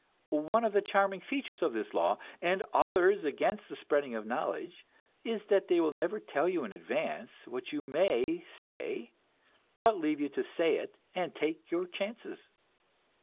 One of the charming features of this law, and others against the spreading of knowledge, is that they will never tell you in advance what you may say, but leave you to say it and take your chances!